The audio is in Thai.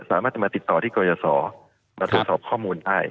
สามารถจะมาติดต่อที่กรยศมาตรวจสอบข้อมูลได้